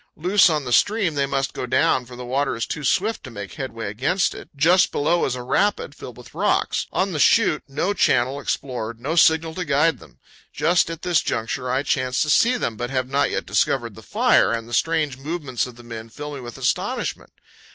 Loose on the stream, they must go down, for the water is too swift to make headway against it. Just below is a rapid, filled with rocks. On the shoot, no channel explored, no signal to guide them! Just at this juncture I chance to see them, but have not yet discovered the fire, and the strange movements of the men fill me with astonishment.